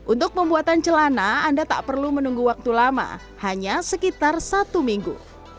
untuk pembuatan celana anda tak perlu menunggu waktu lama hanya sekitar satu minggu